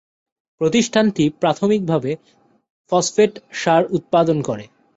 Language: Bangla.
প্রতিষ্ঠানটি প্রাথমিকভাবে ফসফেট সার উৎপাদন করে।